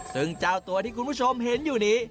ซึ่งเจ้าตัวที่คุณผู้ชมเห็นอยู่นี้